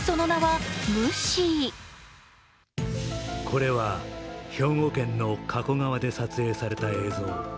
これは兵庫県の加古川で撮影された映像。